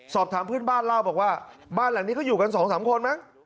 สอบถามพื้นบ้านเล่าบอกว่าบ้านหลังนี้ก็อยู่กัน๒๓คนมั้ง